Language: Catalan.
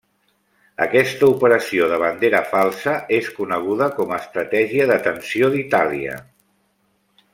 Aquesta operació de bandera falsa és coneguda com a estratègia de tensió d'Itàlia.